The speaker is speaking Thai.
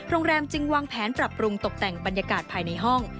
โรงแรมจึงวางแผนปรับปรุงตกแต่งบรรยากาศภายในห้อง